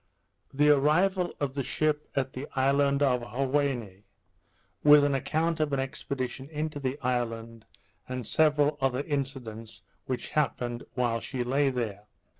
_The Arrival of the Ship at the Island of Huaheine; with an Account of an Expedition into the Island, and several other Incidents which happened while she lay there.